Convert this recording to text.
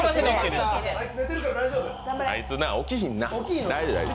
あいつ起きひんな。